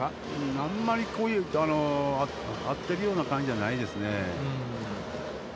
あんまり、合っているような感じじゃないですね。